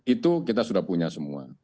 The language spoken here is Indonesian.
itu kita sudah punya semua